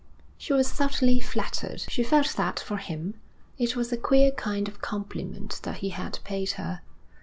She was subtly flattered. She felt that, for him, it was a queer kind of compliment that he had paid her.